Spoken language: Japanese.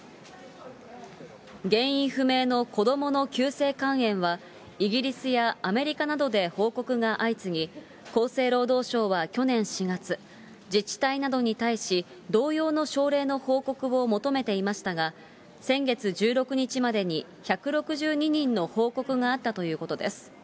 原因不明の子どもの急性肝炎は、イギリスやアメリカなどで報告が相次ぎ、厚生労働省は去年４月、自治体などに対し、同様の症例の報告を求めていましたが、先月１６日までに１６２人の報告があったということです。